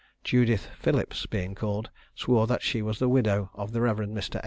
Judith Philips, being called, swore that she was the widow of the Rev. Mr.